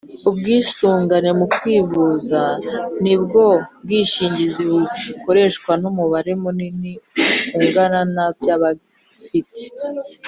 Ubwisungane mu kwivuza nibwo bwishingizi bukoreshwa n umubare munini ungana na by abafite